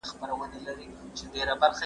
ذهني تمرینونه به ستاسو ذهن تېز کړي.